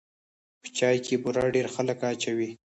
په چای کې بوره ډېر خلک اچوي.